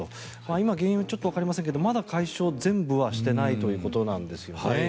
今、原因はわかりませんがまだ全部は解消していないということですよね。